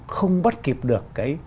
không bắt kịp được cái